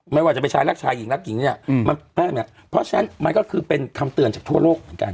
ไม่ว่าจะเป็นชายลักชายหญิงลักอย่างนี้เพราะฉะนั้นมันก็คือเป็นคำเตือนจากทั่วโลกเหมือนกัน